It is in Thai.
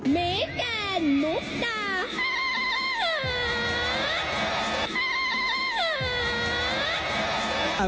มิสเตอร์สตาร์มุกดาฮาน